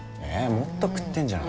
もっと食ってんじゃない？